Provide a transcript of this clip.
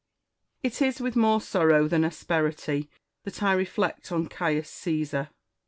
It is with more sorrow than asperity that I reflect on Caius Caesar.